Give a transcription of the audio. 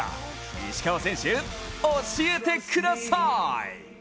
石川選手、教えてくださーい。